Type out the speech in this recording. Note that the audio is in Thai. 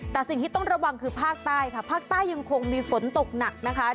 แต่สิ่งที่ต้องระวังคือภาคใต้ค่ะภาคใต้ยังคงมีฝนตกหนักนะคะ